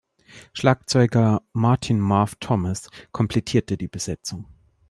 Schlagzeuger Martin „Marv“ Thomas komplettierte die Besetzung.